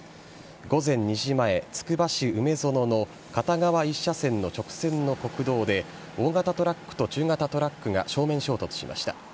午前２時前、つくば市梅園の片側１車線の直線の国道で大型トラックと中型トラックが正面衝突しました。